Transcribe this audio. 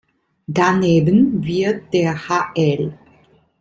Daneben wird der hl.